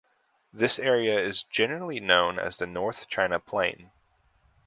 This area is generally known as the North China Plain.